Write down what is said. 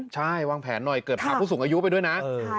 ใช่วางแผนหน่อยเกิดพาผู้สูงอายุไปด้วยนะ